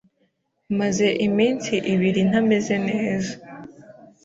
Maze iminsi ibiri ntameze neza.